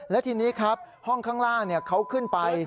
และทีนี้ครับห้องข้างล่างเขาขึ้นไป